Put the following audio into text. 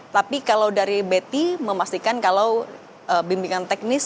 tapi kalau dari betty memastikan kalau bimbingan teknis